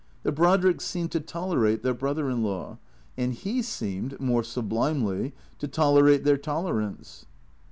The Brodricks seemed to tolerate their brother in law; and he seemed, more sublimely, to tolerate their tolerance.